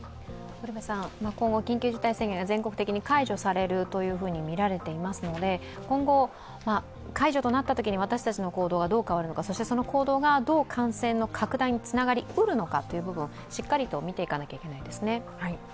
今後、緊急事態宣言が全国的に解除されるとみられていますので今後解除となったときに私たちの行動がどう変わるのか、そしてその行動がどう感染の拡大につながりうるのかという部分しっかりと見ていかなければいけないですね？